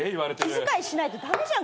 気遣いしないと駄目じゃん